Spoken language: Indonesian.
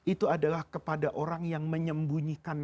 itu adalah kepada orang yang menyembunyikan